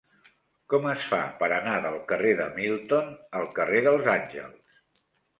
Com es fa per anar del carrer de Milton al carrer dels Àngels?